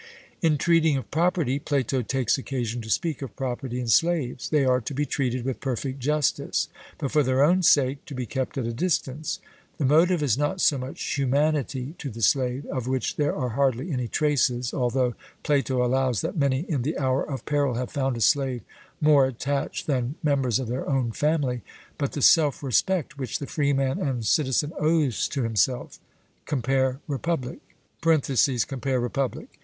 In treating of property, Plato takes occasion to speak of property in slaves. They are to be treated with perfect justice; but, for their own sake, to be kept at a distance. The motive is not so much humanity to the slave, of which there are hardly any traces (although Plato allows that many in the hour of peril have found a slave more attached than members of their own family), but the self respect which the freeman and citizen owes to himself (compare Republic).